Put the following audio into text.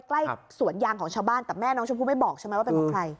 ใกล้สวนยางของชาวบ้านแต่แม่น้องชมพู่ไม่บอกใช่ไหมว่าเป็นของใคร